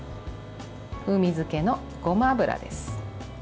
風味付けのごま油です。